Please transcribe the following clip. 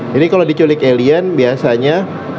jadi kalau diculik alien biasanya